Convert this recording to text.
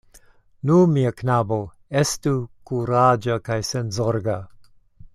Nu, mia knabo, estu kuraĝa kaj senzorga...